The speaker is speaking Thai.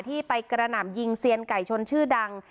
ที่ไปกระหน่ำยิงเซียนไก่ชนชื่อดัง